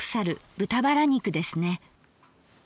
豚バラ肉ですね。